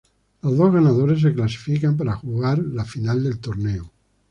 Los dos ganadores se clasifican para jugar la Final del Torneo.